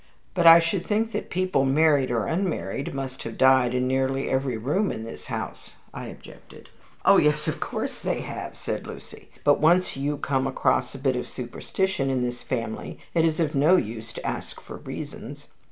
"But I should think that people, married or unmarried, must have died in nearly every room in the house," I objected. "Oh, yes, of course they have," said Lucy; "but once you come across a bit of superstition in this family, it is of no use to ask for reasons.